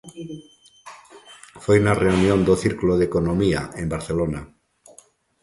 Foi na reunión do Círculo de Economía, en Barcelona.